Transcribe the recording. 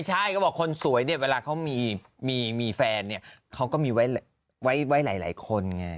ใช่ก็บอกคนสวยเนี่ยเวลาเขามีแฟนเนี่ยเขาก็มีไว้หลายคนไง